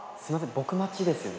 僕待ちですよね？